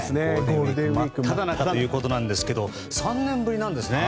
ゴールデンウィーク真っただ中ということですが３年ぶりなんですね。